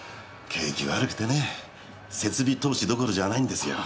景気悪くてね設備投資どころじゃないんですよ。